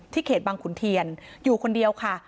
เขตบังขุนเทียนอยู่คนเดียวค่ะ